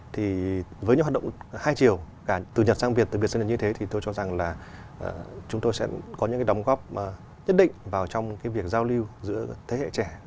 thì với những hoạt động hai chiều cả từ nhật sang việt từ việt sang nhật như thế thì tôi cho rằng là chúng tôi sẽ có những cái đóng góp nhất định vào trong cái việc giao lưu giữa thế hệ trẻ